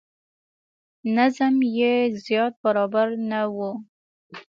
نظم یې زیات برابر نه و.